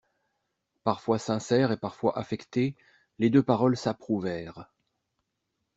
Parfois sincères et parfois affectées, les deux paroles s'approuvèrent.